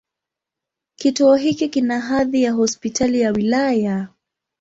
Kituo hiki kina hadhi ya Hospitali ya wilaya.